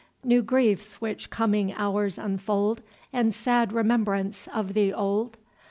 New griefs, which coming hours unfold, And sad remembrance of the old?